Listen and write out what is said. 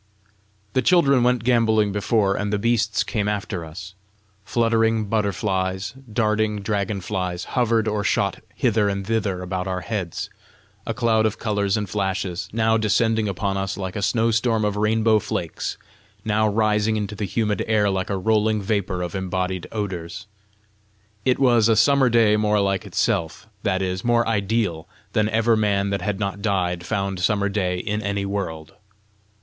The children went gamboling before, and the beasts came after us. Fluttering butterflies, darting dragon flies hovered or shot hither and thither about our heads, a cloud of colours and flashes, now descending upon us like a snow storm of rainbow flakes, now rising into the humid air like a rolling vapour of embodied odours. It was a summer day more like itself, that is, more ideal, than ever man that had not died found summer day in any world.